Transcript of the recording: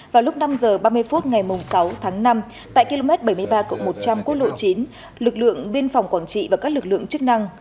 vào lúc năm h ba mươi phút ngày sáu tháng năm tại km bảy mươi ba cộng một trăm linh quốc lộ chín lực lượng biên phòng quảng trị và các lực lượng chức năng